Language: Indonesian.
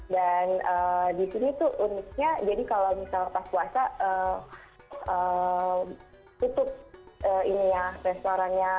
dan di sini tuh uniknya jadi kalau misal pas puasa tutup restorannya